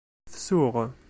Tsuɣ.